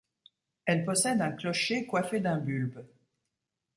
Elle possède un clocher coiffé d'un bulbe.